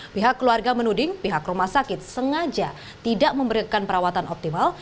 pihak keluarga menuding pihak rumah sakit sengaja tidak memberikan perawatan optimal